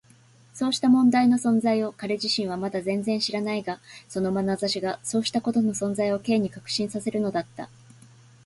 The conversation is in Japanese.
そうした問題の存在を彼自身はまだ全然知らないが、そのまなざしがそうしたことの存在を Ｋ に確信させるのだった。